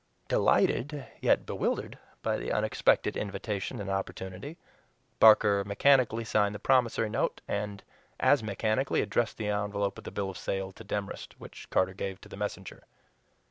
Delighted, yet bewildered by the unexpected invitation and opportunity, Barker mechanically signed the promissory note, and as mechanically addressed the envelope of the bill of sale to Demorest, which Carter gave to the messenger.